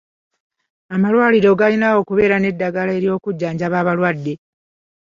Amalwaliro galina okubeera n'eddagala ery'okujjanjaba abalwadde.